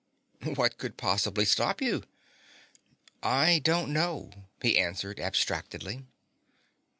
"What could possibly stop you?" "I don't know," he answered abstractedly.